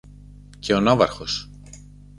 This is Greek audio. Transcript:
Και ο ναύαρχος.